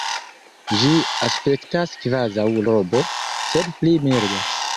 Ĝi aspektas kvazaŭ robo, sed pli milda.